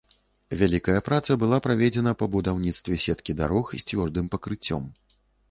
Вялікая праца была праведзена па будаўніцтве сеткі дарог з цвёрдым пакрыццём.